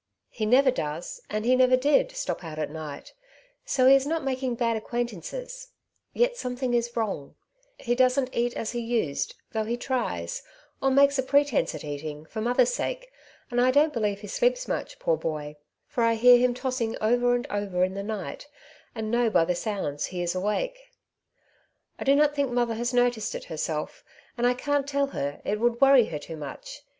He never does, and he never did, stop out at night, so he is not making bad acquaintances ; yet something is wrong ; he don't eat as he used, though he tries> or makes a pretence at eating, for mother^s sake, and I don^t believe he sleeps much, poor boy, for 1 hear him tossing over and over in the night, and know by the sounds he is awake. I do not think mother has noticed it herself, and I can't tell her, it would worry her too much.